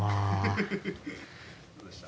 どうでした？